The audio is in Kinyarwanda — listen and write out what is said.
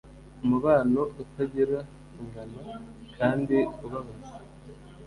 Umubano utagira ingano kandi ubabaza